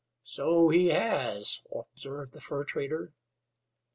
"So he has," observed the fur trader.